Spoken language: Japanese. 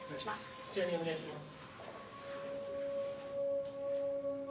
こちらにお願いします。